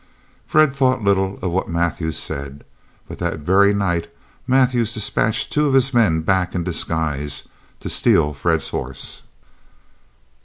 Fred thought little of what Mathews said, but that very night Mathews dispatched two of his men back in disguise to steal Fred's horse.